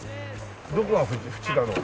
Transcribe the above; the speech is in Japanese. どこが縁だろう？